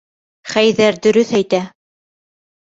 Хәйҙәр дөрөҫ әйтә.